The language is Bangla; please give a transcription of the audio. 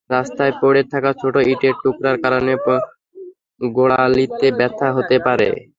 রাস্তায় পড়ে থাকা ছোট ইটের টুকরার কারণেও গোড়ালিতে ব্যথা হতে পারে।